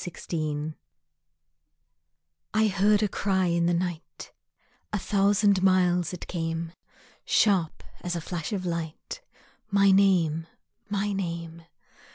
Message I heard a cry in the night, A thousand miles it came, Sharp as a flash of light, My name, my name!